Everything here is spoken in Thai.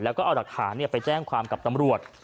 แล้วก็เอาหลักฐานไปแจ้งความกับตำรวจ